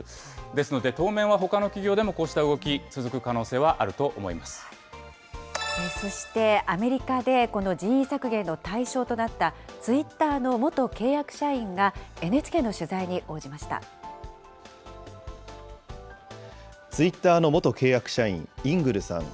ですので、当面はほかの企業でもこうした動き続く可能性はあるとそして、アメリカで人員削減の対象となったツイッターの元契約社員が、ＮＨＫの取材に応じまツイッターの元契約社員、イングルさん。